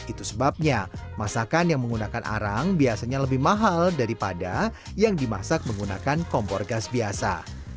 itu sebabnya masakan yang menggunakan arang biasanya lebih mahal daripada yang dimasak menggunakan kompor gas biasa